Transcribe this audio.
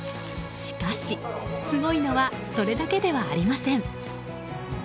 しかし、すごいのはそれだけではありません。